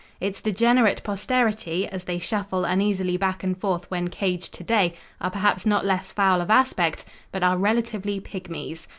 Its degenerate posterity, as they shuffle uneasily back and forth when caged to day, are perhaps not less foul of aspect, but are relatively pygmies.